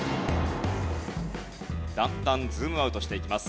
だんだんズームアウトしていきます。